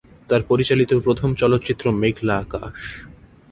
তার পরিচালিত প্রথম চলচ্চিত্র মেঘলা আকাশ।